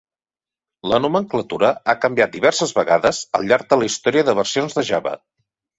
La nomenclatura ha canviat diverses vegades al llarg de la història de versions de Java.